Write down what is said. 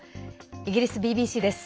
イギリスＢＢＣです。